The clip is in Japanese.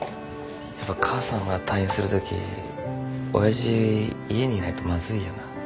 やっぱ母さんが退院するとき親父家にいないとまずいよな。